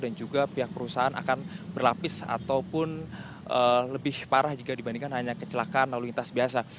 dan juga pihak perusahaan akan berlapis ataupun lebih parah jika dibandingkan hanya kecelakaan lalu intas biasa